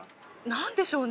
何でしょうね